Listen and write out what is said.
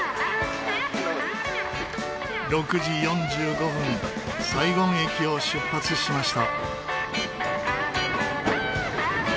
６時４５分サイゴン駅を出発しました。